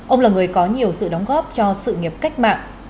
ông là người có nhiều sự đóng góp cho sự nghiệp cách mạng